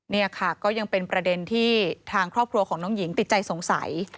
นี่ค่ะก็ยังเป็นประเด็นที่ทางครอบครัวของน้องหญิงติดใจสงสัย